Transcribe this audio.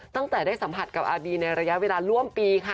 ตั้งแต่ได้สัมผัสกับอาบีในระยะเวลาร่วมปีค่ะ